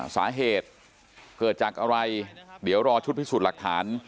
สาเหตุเกิดจากอะไรเดี๋ยวรอชุดพิสูจน์หลักฐาน